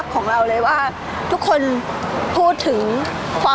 พี่ตอบได้แค่นี้จริงค่ะ